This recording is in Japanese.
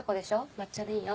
抹茶でいいよ。